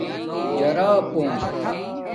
جراپونݣ